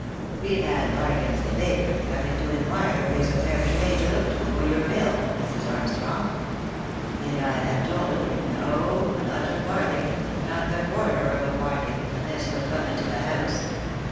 We've had Larkins the baker, coming to inquire if there's parish pay to look to, for your bill, Mrs. Armstrong — and I have told him, no, not a farthing, not the quarter of a farthing, unless you'll come into the house.